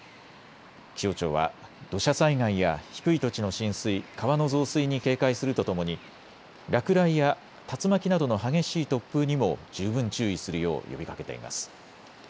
気象庁は土砂災害や低い土地の浸水、川の増水に警戒するとともに落雷や竜巻などの激しい突風にも十分注意するよう呼びかけています。